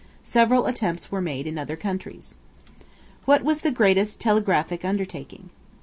Several attempts were made in other countries. What was the greatest telegraphic undertaking?